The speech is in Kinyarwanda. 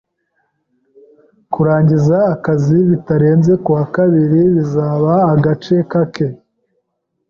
Kurangiza akazi bitarenze kuwa kabiri bizaba agace kake.